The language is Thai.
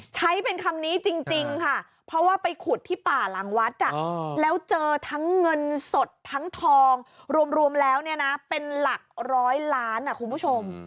ใช้เป็นคำนี้จริงค่ะเพราะว่าไปขุดที่ป่าหลังวัดแล้วเจอทั้งเงินสดทั้งทองรวมแล้วเนี่ยนะเป็นหลักร้อยล้านคุณผู้ชม